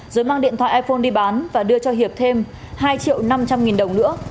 rồi mang điện thoại iphone đi bán và đưa cho hiệp thêm hai triệu năm trăm linh nghìn đồng nữa